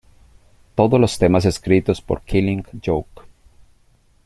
Todos los temas escritos por Killing Joke.